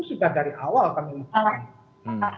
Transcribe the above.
sudah dari awal kami sampaikan